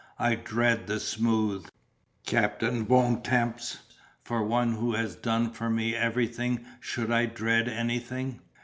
"I dread the smooth. Captain Bontemps, for one who has done for me everything should I dread anything?